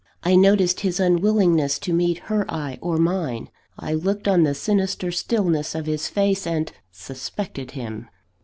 I noticed his unwillingness to meet her eye or mine; I looked on the sinister stillness of his face; and suspected him.